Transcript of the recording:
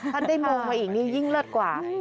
ถ้าได้มองมาอีกนี่ยิ่งเลิศกว่า